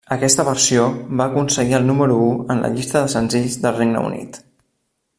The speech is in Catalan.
Aquesta versió va aconseguir el número u en la llista de senzills del Regne Unit.